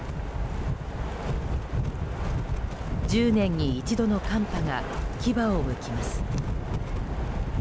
１０年に一度の寒波が牙をむきます。